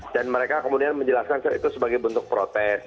dan mereka kemudian menjelaskan itu sebagai bentuk protes